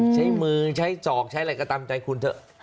ใช้มือใช้จอกใช้อะไรก็ตามใจคุณเถอะ